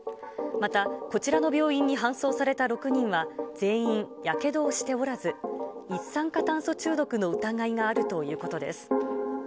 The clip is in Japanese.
また、こちらの病院に搬送された６人は、全員やけどをしておらず、一酸化炭素中毒の疑いがあるということです。